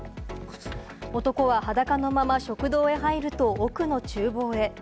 男は裸のまま食堂へ入ると奥の厨房へ。